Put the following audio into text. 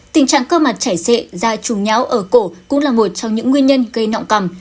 tình trạng cơ mặt chảy xệ da trùng nháo ở cổ cũng là một trong những nguyên nhân gây nọng cằm